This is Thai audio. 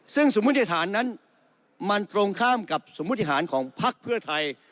ซึ่งสมมุติฐานนั้นมันตรงข้ามกับสมมุติฐานของพักเพื่อไทย